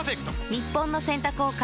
日本の洗濯を変える１本。